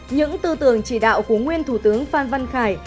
những tư tưởng chỉ đạo của nguyên thủ tướng phan văn khải